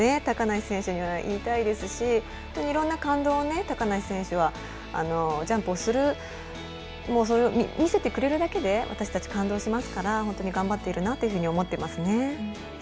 高梨選手には言いたいですしいろんな感動を高梨選手はジャンプをするそれを見せてくれるだけで私たち感動しますから本当に頑張っているなと思っていますね。